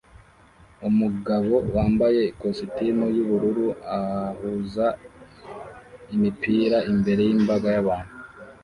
Umugabo wambaye ikositimu yubururu ahuza imipira imbere yimbaga yabantu